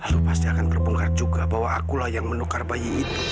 itu pasti akan terbongkar juga bahwa akulah yang menukar bayi itu